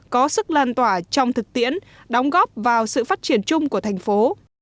có sức lan tỏa trong thực tiễn đóng góp vào sự phát triển chung của thành phố